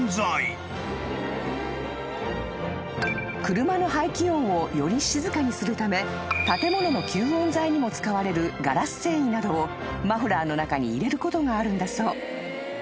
［車の排気音をより静かにするため建物の吸音材にも使われるガラス繊維などをマフラーの中に入れることがあるんだそう］